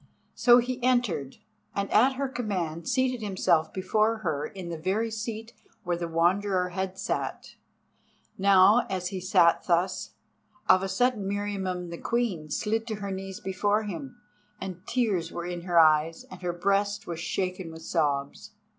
So he entered, and at her command seated himself before her in the very seat where the Wanderer had sat. Now, as he sat thus, of a sudden Meriamun the Queen slid to her knees before him, and tears were in her eyes and her breast was shaken with sobs.